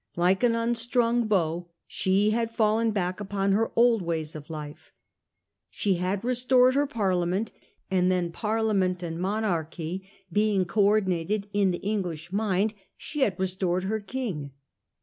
Like an unstrung bow, she had fallen back upon her old ways of life. She had restored her Parliament, and then, Parliament and monarchy being co ordinated in the English mind, she had restored her King.